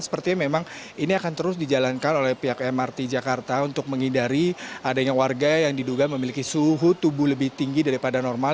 sepertinya memang ini akan terus dijalankan oleh pihak mrt jakarta untuk menghindari adanya warga yang diduga memiliki suhu tubuh lebih tinggi daripada normal